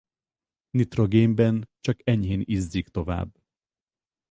Nitrogénben csak enyhén izzik tovább.